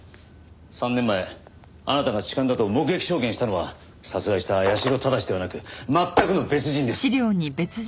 ３年前あなたが痴漢だと目撃証言したのは殺害した八代正ではなく全くの別人です。